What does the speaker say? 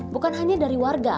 bukan hanya dari warga